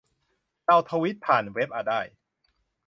เราทวีตผ่านเว็บอ่ะ ได้